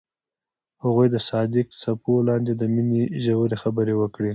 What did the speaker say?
هغوی د صادق څپو لاندې د مینې ژورې خبرې وکړې.